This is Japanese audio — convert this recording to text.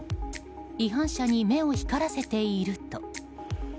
違反者に目を光らせていると。